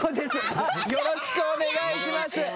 よろしくお願いします。